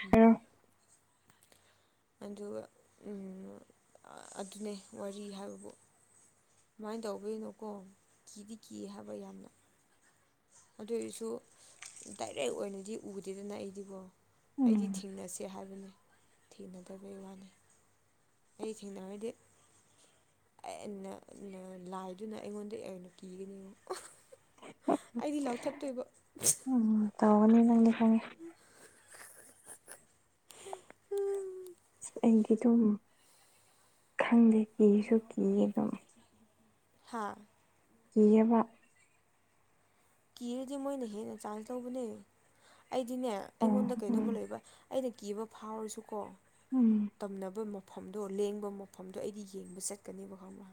ꯀ ꯑꯗꯨꯒ ꯑꯗꯨꯅꯦ ꯋꯥꯔꯤ ꯍꯥꯏꯕꯕꯨ ꯀꯃꯥꯏꯅ ꯇꯧꯕꯣꯏꯅꯣꯀꯣ ꯀꯤꯗꯤ ꯀꯤ ꯍꯥꯏꯕ ꯌꯥꯝꯅ ꯑꯗꯨ ꯑꯣꯏꯔꯁꯨ ꯗꯥꯏꯔꯦꯛ ꯑꯣꯏꯅꯗꯤ ꯎꯗꯦꯗꯅ ꯑꯩꯗꯤꯀꯣ ꯑꯩꯗꯤ ꯎꯝ ꯊꯦꯡꯅꯁꯦ ꯍꯥꯏꯕꯅꯤ ꯊꯦꯡꯅꯗꯕꯩ ꯋꯥꯅꯤ ꯑꯩ ꯊꯦꯡꯅꯔꯗꯤ ꯑꯦꯟꯅ ꯂꯥꯏꯗꯨꯅ ꯑꯩꯉꯣꯟꯗ ꯑꯦꯟ ꯀꯤꯒꯅꯤ ꯑꯩꯗꯤ ꯂꯥꯎꯊꯠꯇꯣꯏꯕ ꯎꯝ ꯇꯧꯒꯅꯤ ꯅꯪꯗꯤ ꯈꯪꯉꯦ ꯎꯝ ꯑꯩꯗꯤ ꯑꯗꯨꯝ ꯈꯪꯗꯦ ꯀꯤꯁꯨ ꯀꯤꯌꯦ ꯑꯗꯨꯝ ꯍꯥꯥ ꯀꯤꯌꯦꯕ ꯀꯤꯔꯗꯤ ꯃꯣꯏꯅ ꯍꯦꯟꯅ ꯆꯥꯟꯁ ꯇꯧꯕꯅꯦ ꯑꯩꯗꯤꯅꯦ ꯑꯣ ꯑꯩꯉꯣꯟꯗ ꯎꯝ ꯀꯩꯅꯣꯝꯃ ꯂꯩꯕ ꯑꯩꯅ ꯀꯤꯕ ꯐꯥꯎꯔꯁꯨꯀꯣ ꯎꯝ ꯇꯝꯅꯕ ꯃꯐꯝꯗꯣ ꯂꯦꯡꯕ ꯃꯐꯝꯗꯣ ꯑꯩꯗꯤ ꯌꯦꯡꯕ ꯆꯠꯀꯅꯤꯕ ꯈꯪꯕ꯭ꯔ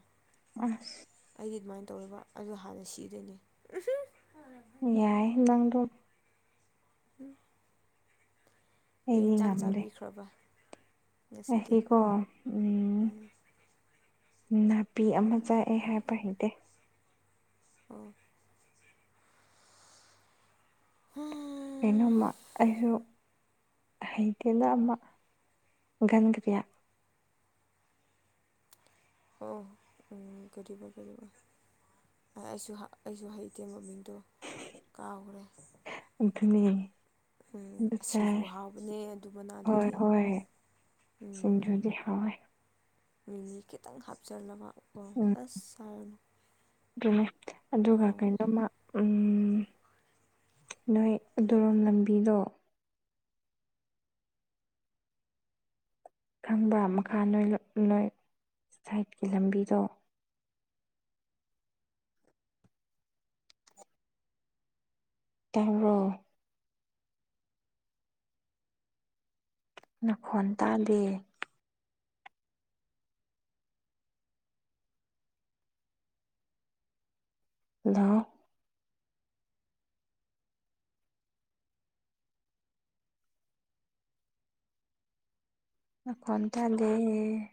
ꯑꯁ ꯑꯩꯗꯤ ꯑꯗꯨꯃꯥꯏꯅ ꯇꯧꯔꯤꯕ ꯑꯗꯨ ꯍꯥꯟꯅ ꯁꯤꯗꯣꯏꯅꯤ ꯌꯥꯏ ꯂꯗ ꯎꯝ ꯀꯦꯛ ꯑꯩꯗꯤ ꯌꯦꯟꯁꯥꯡ ꯆꯥꯕꯤꯈ꯭ꯔꯕ ꯉꯁꯤꯗꯤ ꯑꯦꯁꯤ ꯀꯣ ꯎꯝ ꯅꯟ ꯕꯤ ꯑꯃ ꯆꯥꯏ ꯑꯩ ꯍꯥꯏꯕ ꯍꯩꯇꯦ ꯑꯣ ꯍꯨꯝ ꯀꯩꯅꯣꯝꯃ ꯑꯩꯁꯨ ꯍꯩꯒꯦꯗ ꯑꯃ ꯒꯟꯒ꯭ꯔꯤꯌꯥ ꯍꯣꯏ ꯎꯝ ꯀꯔꯤꯕ ꯀ ꯑꯩꯁꯨ ꯑꯩꯁꯨ ꯍꯩꯇꯦ ꯃꯃꯤꯡꯗꯣ ꯀꯥꯎꯥꯎꯔꯦ ꯑꯗꯨꯅꯦ ꯎꯝ ꯑꯗꯨ ꯁꯨ ꯆꯥꯏ ꯍꯥꯎꯕꯅꯦ ꯑꯗꯨ ꯃꯅꯥ ꯍꯣꯏ ꯑꯗꯨꯗꯤ ꯍꯣꯏ ꯁꯤꯡꯖꯨꯗꯤ ꯍꯋꯥꯦ ꯃꯤꯃꯤ ꯈꯤꯇꯪ ꯍꯥꯞꯆꯜꯂꯕ ꯀꯣ ꯎꯝ ꯑꯁ ꯑꯗꯨꯅꯦ ꯑꯗꯨꯒ ꯍꯥꯎꯕꯅꯦ ꯀꯩꯅꯣꯝꯃ ꯎꯝ ꯅꯣꯏ ꯑꯗꯨꯔꯣꯝ ꯂꯝꯕꯤꯗꯣ ꯈꯪꯕ ꯃꯈꯥꯣꯏ ꯂꯣꯏ ꯁꯥꯏꯠꯀꯤ ꯂꯝꯕꯤꯗꯣ ꯇꯥꯕꯔꯣ ꯅꯈꯣꯟ ꯇꯥꯗ ꯂ ꯈꯇꯗꯦ